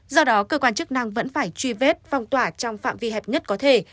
do đó cơ quan chức năng vẫn phải truy vết phong tỏa trong phạm vi hẹp nhất có thể